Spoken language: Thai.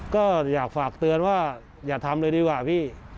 ก็อยากฝากเตือนว่าอย่าทำเลยดีกว่าพี่